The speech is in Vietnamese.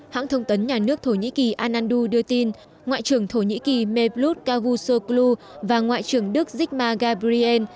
hãng thông tấn nhà nước thổ nhĩ kỳ anandu đưa tin ngoại trưởng thổ nhĩ kỳ meblut cavusoglu và ngoại trưởng đức zikma gabriel